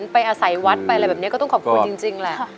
ไปอาศัยวัดไปอะไรแบบนี้ก็ต้องขอบคุณจริงแหละ